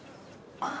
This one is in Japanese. ああ。